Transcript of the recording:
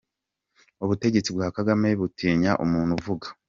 Ubutegetsi bwa Kagame butinya umuntu uvuga!